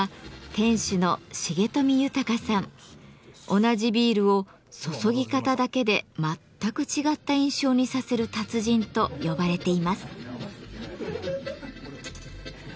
同じビールを注ぎ方だけで全く違った印象にさせる達人と呼ばれています。